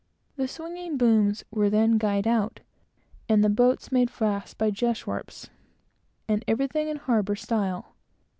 The swinging booms were then guyed out, and the boats made fast by geswarps, and everything in harbor style.